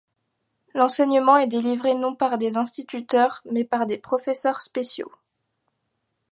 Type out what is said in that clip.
L'enseignement est délivré non par des instituteurs, mais par des professeurs spéciaux.